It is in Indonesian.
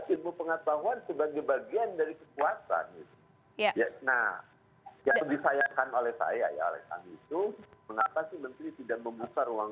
menetapkan satu peraturan perundang undangan dalam hal ini